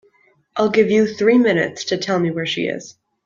I'll give you three minutes to tell me where she is.